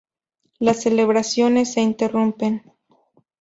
Las celebraciones se interrumpen.